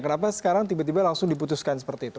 kenapa sekarang tiba tiba langsung diputuskan seperti itu